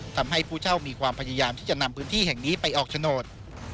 ทำให้ผู้เช่ามีความพยายามที่จะนำพื้นที่แห่งนี้ไปออกโฉนด